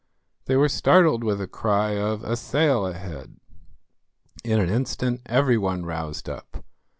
They were startled with a cry of "A sail ahead!" In an instant every one roused up.